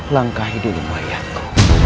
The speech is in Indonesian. langkah hidup di mayatku